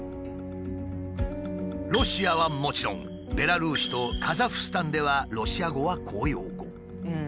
ロシアはもちろんベラルーシとカザフスタンではロシア語は公用語。